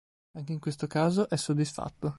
Anche in questo caso, è soddisfatto